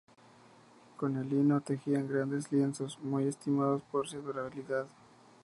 Con el lino tejían grandes lienzos, muy estimados por su durabilidad.